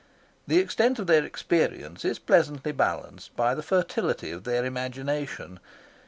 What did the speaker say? The extent of their experience is pleasantly balanced by the fertility of their imagination.